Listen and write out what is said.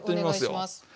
お願いします。